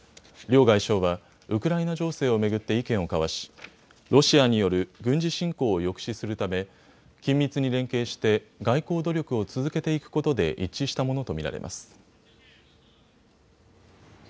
両外相はウクライナ情勢を巡って意見を交わし、ロシアによる軍事侵攻を抑止するため緊密に連携して外交努力を続けていくことで一致したものと見られます。